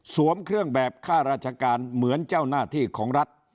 เครื่องแบบค่าราชการเหมือนเจ้าหน้าที่ของรัฐ